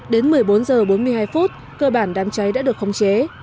đến một mươi bốn h bốn mươi hai phút cơ bản đám cháy đã được khống chế